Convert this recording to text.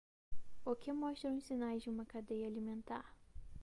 O que mostram os sinais de uma cadeia alimentar?